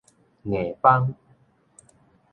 梗枋